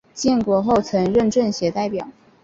建国后曾任政协代表。